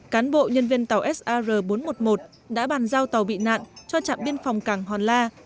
cán bộ nhân viên tàu sr bốn trăm một mươi một đã bàn giao tàu bị nạn cho trạm biên phòng cảng hòn la